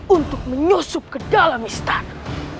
untuk menyusup ke dalam istana